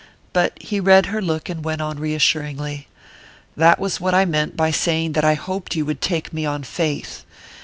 But he read her look and went on reassuringly: "That was what I meant by saying that I hoped you would take me on faith.